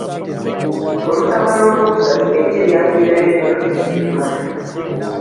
Olutabaalo olw'okusatu eggye lyafiirayo nnyo ekiddukano.